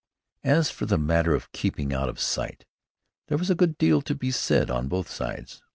As for the matter of keeping out of sight, there was a good deal to be said on both sides.